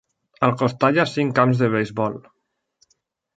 Al costat hi ha cinc camps de beisbol.